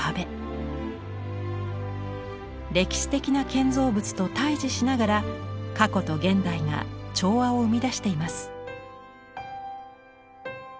歴史的な建造物と対峙しながら過去と現代が調和を生み出しています。